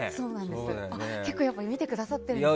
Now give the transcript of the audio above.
結構見てくださっているんですね。